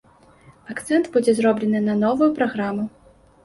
Акцэнт будзе зроблены на новую праграму.